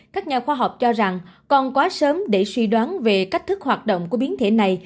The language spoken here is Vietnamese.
các nhà khoa học cho rằng còn quá sớm để suy đoán về cách thức hoạt động của biến thể này